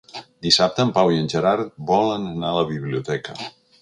Dissabte en Pau i en Gerard volen anar a la biblioteca.